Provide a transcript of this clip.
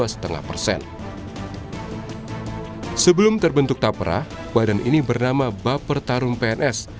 sebelum terbentuk tapra badan ini bernama baper tarum pns